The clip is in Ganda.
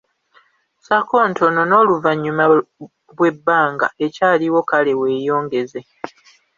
Ssaako ntono n’oluvannyuma bw'ebanga ekyaaliwo kale weeyongeze.